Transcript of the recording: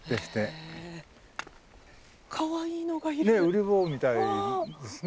うり坊みたいですね。